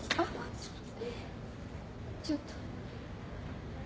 ちょっと。